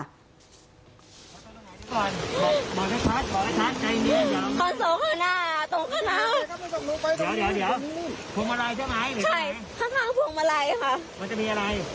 โคนโซ่ขนาดตรงคาน้ำทุกคนส่งหนูไปตรงนี้เดี๋ยวเดี๋ยวเดี๋ยว